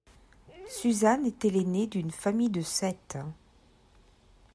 Suzanne était l'aînée d'une famille de sept.